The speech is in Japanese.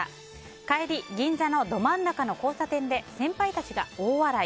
帰り、銀座のど真ん中の交差点で先輩たちが大笑い。